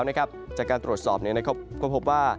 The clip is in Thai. จากการตรวจสอบในในความพบว่า